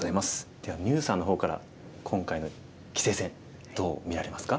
では牛さんの方から今回の棋聖戦どう見られますか？